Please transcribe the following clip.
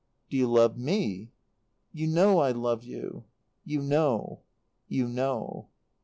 "Do you love me?" "You know I love you." "You know. You know."